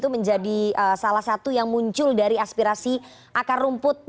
menjadi salah satu yang muncul dari aspirasi akar rumput